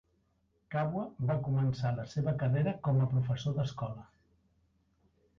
Kabua va començar la seva carrera com a professor d'escola.